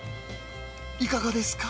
いかがですか？